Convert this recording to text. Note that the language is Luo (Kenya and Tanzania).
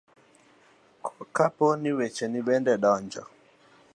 kapo ni wecheni bende donjo